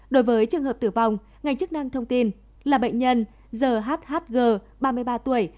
đối với trường hợp tử vong ngành chức năng thông tin là bệnh nhân hhg ba mươi ba tuổi